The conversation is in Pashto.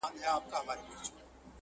چي مو د پېغلو سره سم ګودر په کاڼو ولي،